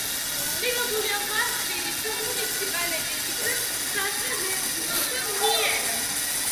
მიღებულია მარტვილის მუნიციპალიტეტის საკრებულოს მიერ.